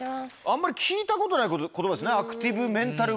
あんまり聞いたことない言葉ですね。